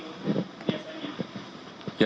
atau memang masih masuk ke jalan seperti biasanya